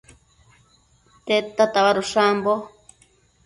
Tedta tabadosh ambo?